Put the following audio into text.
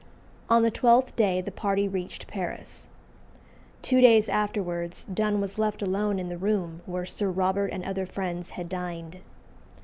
On the twelfth day the party reached Paris. Two days afterwards Donne was left alone in the room where Sir Robert and other friends had dined.